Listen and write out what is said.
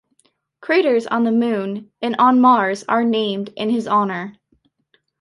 Craters on the moon and on Mars are named in his honor.